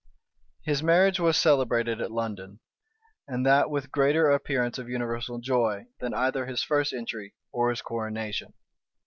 His marriage was celebrated at London; and that with greater appearance of universal joy than either his first entry or his coronation.